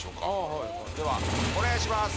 はいはいではお願いします